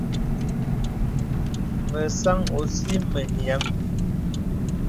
Mə sàn ɔ̀sì mə nyàŋ.